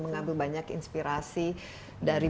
mengambil banyak inspirasi dari